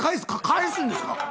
「返すんですか？